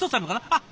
あっ！